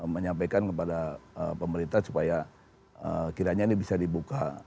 menyampaikan kepada pemerintah supaya kiranya ini bisa dibuka